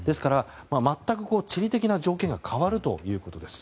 全く地理的な条件が変わるということです。